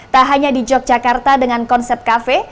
tak hanya di yogyakarta dengan konsep kafe